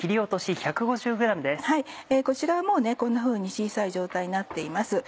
こちらはもうこんなふうに小さい状態になっています。